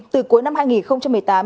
từ cuối năm hai nghìn một mươi tám